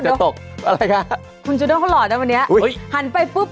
ตกอะไรคะคุณจูโดเขาหล่อนะวันนี้อุ้ยหันไปปุ๊บ